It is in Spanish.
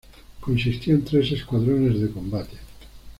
Consistió en tres escuadrones de combate.